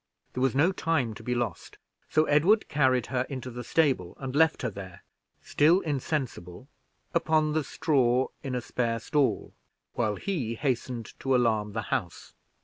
There was no time to be lost, so Edward carried her into the stable and left her there, still insensible, upon the straw, in a spare stall, while he hastened to alarm the house.